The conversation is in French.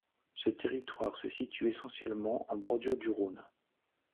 Ce territoire se situe essentiellement en bordure du Rhône.